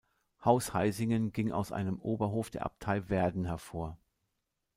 Haus Heisingen ging aus einem Oberhof der Abtei Werden hervor.